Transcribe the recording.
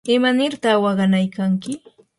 ¿imarta waqanaykanki?